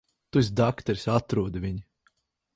Tu esi dakteris. Atrodi viņu.